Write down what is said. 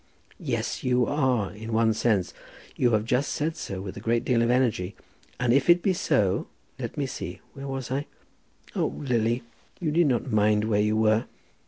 "Yes, you are, in one sense; you have just said so with a great deal of energy. And if it is so, let me see, where was I?" "Oh, Lily, you need not mind where you were."